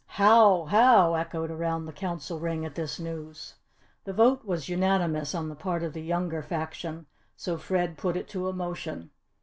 "How, How!" echoed around the Council Ring at this news. The vote was unanimous on the part of the younger faction so Fred put it to a motion.